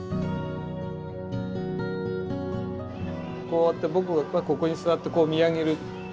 こうやって僕がここに座って見上げる。